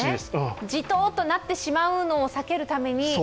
じとっとなってしまうのを避けるために。